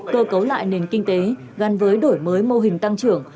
cơ cấu lại nền kinh tế gắn với đổi mới mô hình tăng trưởng